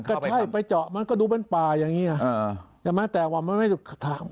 ก็ใช่ไปเจาะมันก็ดูเป็นป่าอย่างนี้ไงใช่ไหมแต่ว่ามันไม่ถาม